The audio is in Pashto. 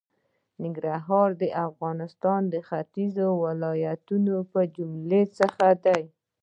ننګرهار د افغانستان د ختېځو ولایتونو د جملې څخه دی.